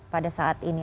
pada saat ini